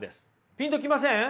ピンと来ません？